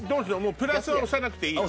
プラスは押さなくていいの？